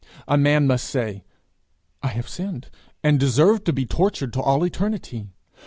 A man must say, 'I have sinned, and deserve to be tortured to all eternity.